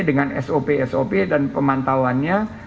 dengan sop sop dan pemantauannya